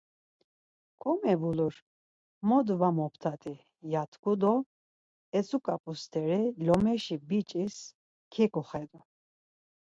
Komebulur, mot var moptat̆i? ya tku do na etzuǩap̌u steri lomeşi biç̌is keǩuxedu.